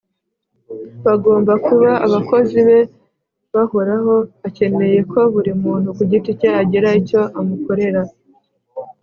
. Bagomba kuba abakozi be bahoraho. Akeneye ko buri muntu ku giti cye agira icyo amukorera